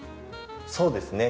そうですね。